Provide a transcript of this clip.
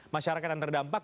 masyarakat yang terdampak